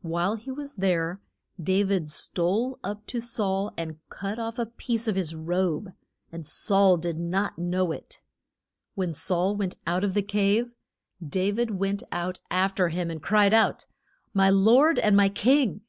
While he was there Da vid stole up to Saul and cut off a piece of his robe. And Saul did not know it. [Illustration: DA VID AND SAUL.] When Saul went out of the cave, Da vid went out af ter him and cried out, My lord and my king!